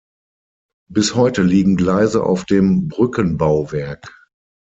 Bis heute liegen Gleise auf dem Brückenbauwerk.